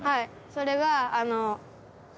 それが。